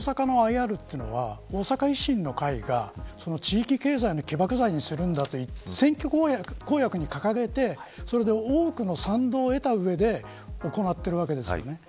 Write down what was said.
権利関係に限らず大阪のＩＲというのは大阪維新の会が、地域経済の起爆剤にするんだと選挙公約に掲げてそれで多くの賛同を得た上で行っているわけですよね。